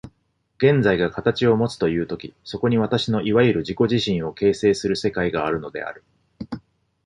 現在が形をもつという時、そこに私のいわゆる自己自身を形成する世界があるのである。